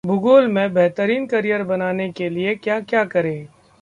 भूगोल में बेहतरीन करियर बनाने के लिए क्या-क्या करें...